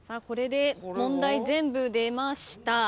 これで問題全部出ました。